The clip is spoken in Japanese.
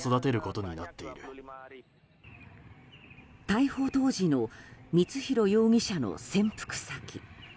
逮捕当時の光弘容疑者の潜伏先。